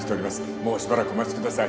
もうしばらくお待ちください